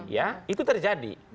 ya itu terjadi